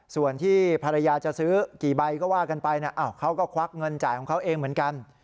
ส่วนที่ภรรยาจะซื้อกี่ใบก็ว่ากันไปเขาก็ควักเงินจ่ายของเขาเองเหมือนกัน